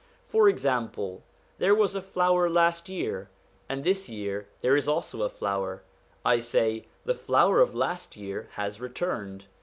For example, there was a flower last year, and this year there is also a flower ; I say, the flower of last year has returned.